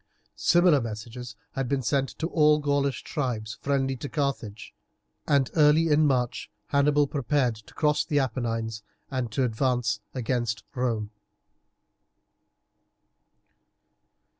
Similar messages had been sent to all the Gaulish tribes friendly to Carthage, and early in March Hannibal prepared to cross the Apennines and to advance against Rome.